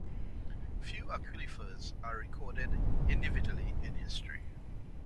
Few aquilifers are recorded individually in history.